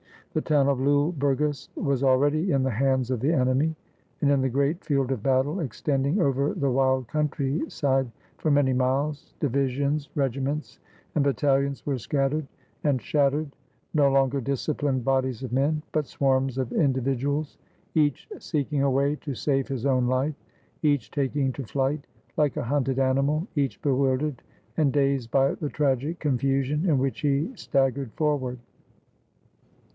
The town of Lule Burgas was already in the hands of the enemy. And in the great field of battle, extending over the wild countryside for many miles, divisions, regi ments, and battalions were scattered and shattered, no longer disciplined bodies of men, but swarms of individu als, each seeking a way to save his own life, each taking to flight like a hunted animal, each bewildered and dazed by the tragic confusion in which he staggered forward.